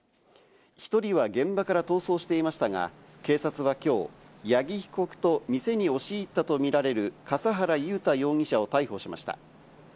１人は現場から逃走していましたが、警察はきょう、八木被告と店に押し入ったとみられる笠原雄大容疑者を逮捕しました。